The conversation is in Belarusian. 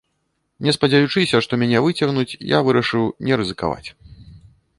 Не спадзяючыся, што мяне выцягнуць, я вырашыў не рызыкаваць.